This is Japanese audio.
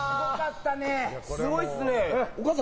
すごいですね。